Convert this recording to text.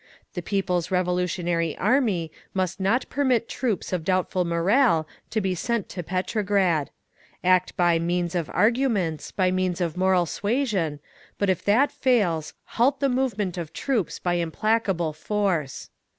The people's revolutionary Army must not permit troops of doubtful morale to be sent to Petrograd. Act by means of arguments, by means of moral suasion—but if that fails, halt the movement of troops by implacable force.